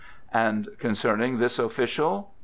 "And concerning this official?"